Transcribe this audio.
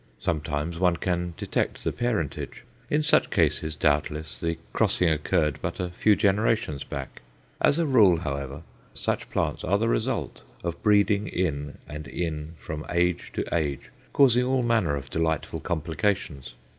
Sometimes one can detect the parentage; in such cases, doubtless, the crossing occurred but a few generations back: as a rule, however, such plants are the result of breeding in and in from age to age, causing all manner of delightful complications.